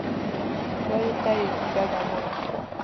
چایو ته یې ډډه ووهله.